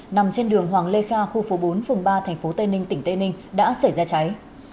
nằm trên đường hoàng lê kha khu phố bốn phường ba tp tây ninh tỉnh tây ninh đã xảy ra cháy